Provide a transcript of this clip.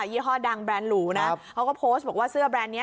ยี่หสดังแบรนด์หลู่นะเขาก็พอสต์ปะว่าเสื้อแบรนด์นี้